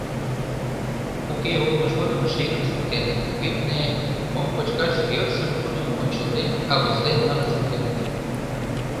Уке улмыж годым шеҥын шуктеныт, витне, мом кочкаш йӧршым тудым ончылтен авызлен налын шуктеныт.